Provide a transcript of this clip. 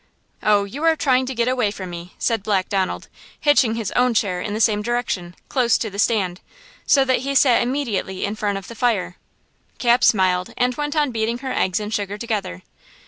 "Oh, you are trying to get away from me," said Black Donald, hitching his own chair in the same direction, close to the stand, so that he sat immediately in front of the fire Cap smiled and went on beating her eggs and sugar together.